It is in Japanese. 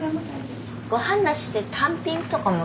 ごはんなしで単品とかも？